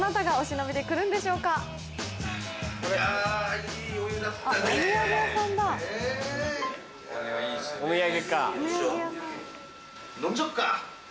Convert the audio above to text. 飲んじゃおっか。